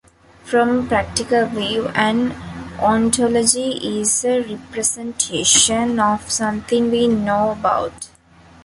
From a practical view, an ontology is a representation of something we know about.